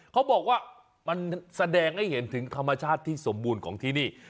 เขาบอกว่ามันแสดงให้เห็นถึงธรรมชาติที่สมบูรณ์ของที่นี่